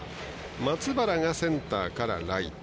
松原がセンターからライト。